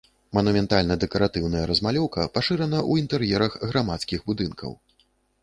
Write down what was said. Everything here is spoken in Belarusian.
Манументальна-дэкаратыўная размалёўка пашырана ў інтэр'ерах грамадскіх будынкаў.